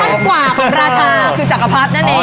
เป็นความกว่าของราชาคือจักรพัดนั่นเอง